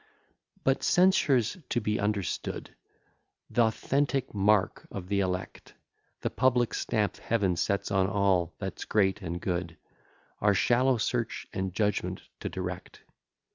IV But censure's to be understood Th'authentic mark of the elect, The public stamp Heaven sets on all that's great and good, Our shallow search and judgment to direct.